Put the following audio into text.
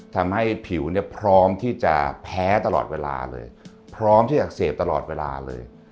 ทำให้ผิวเนี่ยพร้อมที่จะแพ้ตลอดเวลาเลยพร้อมที่อักเสบตลอดเวลาเลย